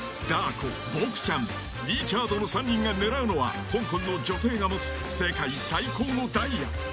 ダー子、ボクちゃんリチャードの３人が狙うのは香港の女帝が持つ世界最高のダイア。